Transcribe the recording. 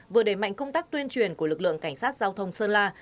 vừa đẩy mạnh công tác tuyên truyền của lực lượng cảnh sát giao thông sơn la